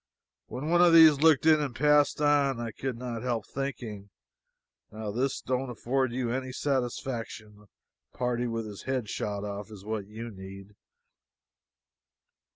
When one of these looked in and passed on, I could not help thinking "Now this don't afford you any satisfaction a party with his head shot off is what you need."